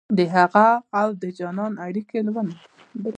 دهغه اودجانان اړیکې لولم